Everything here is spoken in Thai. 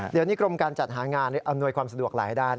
เดี๋ยวนี้กรมการจัดหางานอำนวยความสะดวกหลายด้าน